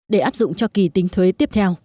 để áp dụng cho kỳ tính thuế tiếp theo